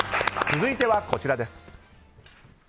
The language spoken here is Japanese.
続いてはこちらです。